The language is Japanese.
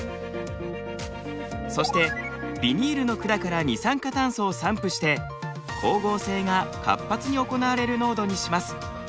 そしてビニールの管から二酸化炭素を散布して光合成が活発に行われる濃度にします。